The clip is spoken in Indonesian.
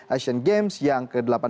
asian games yang ke delapan belas